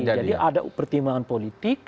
jadi ada pertimbangan politik